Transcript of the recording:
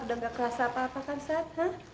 udah gak kerasa apa apa kan sana